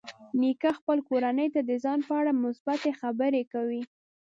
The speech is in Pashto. نیکه خپل کورنۍ ته د ځان په اړه مثبتې خبرې کوي.